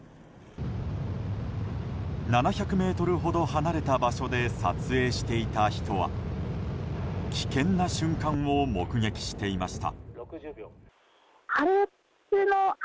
７００ｍほど離れた場所で撮影していた人は危険な瞬間を目撃していました。